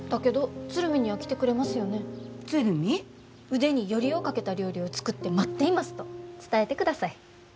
腕によりをかけた料理を作って待っていますと伝えてください。